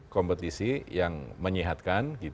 kompetisi yang menyehatkan